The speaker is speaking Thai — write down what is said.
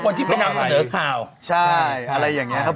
หรือคนที่ไปนำคำเจอข่าวใช่อะไรอย่างนี้ครับ